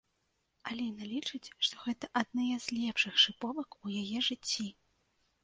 Аліна лічыць, што гэта адныя з лепшых шыповак у яе жыцці.